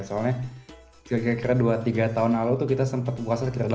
soalnya kira kira dua tiga tahun lalu kita sempat puasa sekitar delapan belas jam